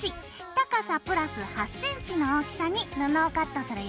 高さプラス８ｃｍの大きさに布をカットするよ。